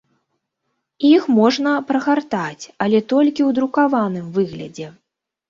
Іх можна прагартаць, але толькі ў друкаваным выглядзе.